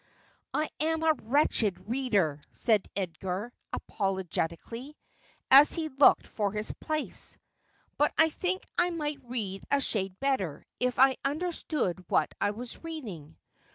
' I am a wretched reader,' said Edgar apologetically, as he looked for his place ;' but I think I might read a shade better if I understood what I was reading.